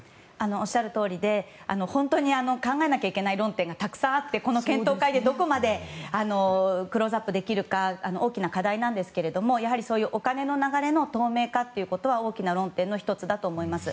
おっしゃるとおりで考えなきゃいけない論点がたくさんあって検討会でどこまでクローズアップできるか大きな課題なんですがやはり、そういうお金の流れの透明化は大きな論点の１つだと思います。